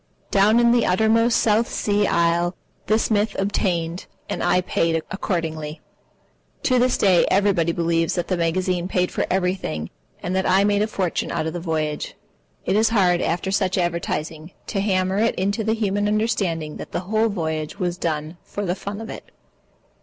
Down in the uttermost South Sea isle this myth obtained, and I paid accordingly. To this day everybody believes that the magazine paid for everything and that I made a fortune out of the voyage. It is hard, after such advertising, to hammer it into the human understanding that the whole voyage was done for the fun of it.